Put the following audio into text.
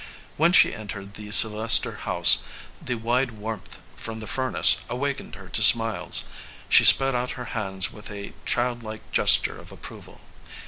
When she en tered the Sylvester house the wide warmth from the furnace awakened her to smiles. She spread out her hands with a childlike gesture of approval.